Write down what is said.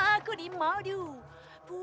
aku mau kalau aku mau